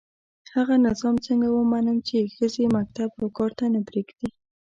هغه نظام څنګه ومنم چي ښځي مکتب او کار ته نه پزېږدي